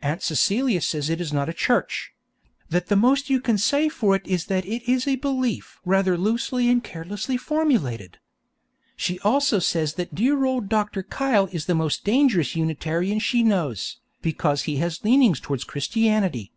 Aunt Celia says it is not a Church; that the most you can say for it is that it is a 'belief' rather loosely and carelessly formulated. She also says that dear old Dr. Kyle is the most dangerous Unitarian she knows, because he has leanings towards Christianity.